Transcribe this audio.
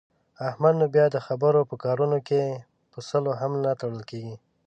احمد نو بیا د خیر په کارونو کې په سلو هم نه تړل کېږي.